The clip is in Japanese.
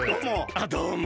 あどうも。